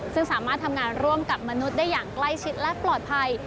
ซึ่งสามารถทำงานร่วมกับมนุษย์ได้อย่างใกล้ชิดและปลอดภัย